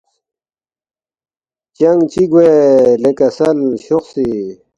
”چنگ چِہ گوے لے کسل شوخسی